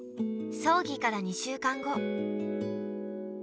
葬儀から２週間後。